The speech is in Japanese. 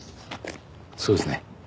そうですね。